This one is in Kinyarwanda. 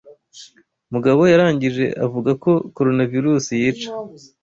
Mugabo yarangije avuga ko Coronavirus yica.